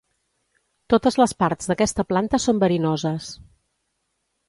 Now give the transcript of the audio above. Totes les parts d'aquesta planta són verinoses.